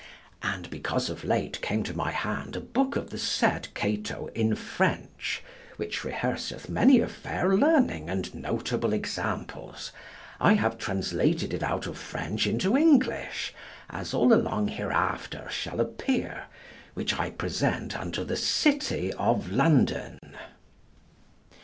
And because of late came to my hand a book of the said Cato in French, which rehearseth many a fair learning and notable examples, I have translated it out of French into English, as all along hereafter shall appear, which I present unto the city of London.